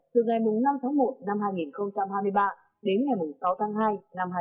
từ ngày năm một hai nghìn hai mươi ba đến ngày sáu hai hai nghìn hai mươi ba